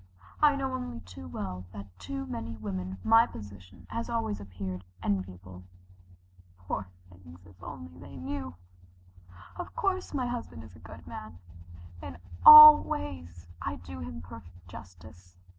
I know only too well that to many women my position has always appeared enviable. Poor things, if they only knew! Of course, my husband is a good man. In all ways I do him perfect justice.